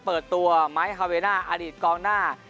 เปิดตัวไม้ฮาเวน่าอดีตกองหน้า